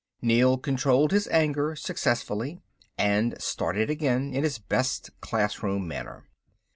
Neel controlled his anger successfully and started again, in his best classroom manner.